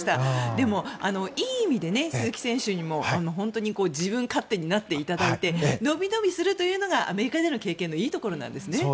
でも、いい意味で鈴木選手にも本当に自分勝手になっていただいてのびのびするのがアメリカでの経験のいいところなんですね。